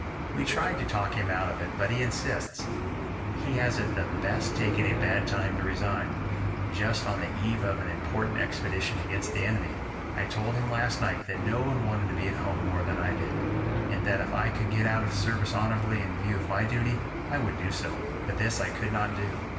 We tried to talk him out of it, but he insists. He has at the best taken a bad time to resign, just on the eve of an important expedition against the enemy. I told him last night that no one wanted to be at home more than I did, and that if I could get out of the service honorably in view of my duty, I would do so, but this I could not do.